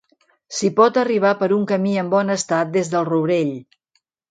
S'hi pot arribar per un camí en bon estat des del Rourell.